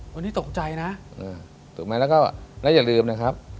วันนี้ตกใจนะถูกไหมแล้วก็และอย่าลืมนะครับ